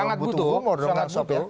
sangat butuh sangat butuh